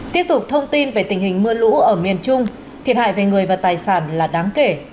tiếp tục thông tin về tình hình mưa lũ ở miền trung thiệt hại về người và tài sản là đáng kể